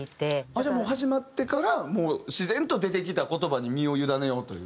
じゃあもう始まってから自然と出てきた言葉に身を委ねようという。